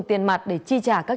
để nghiên cứu